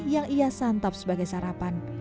yang ia santap sebagai sarapan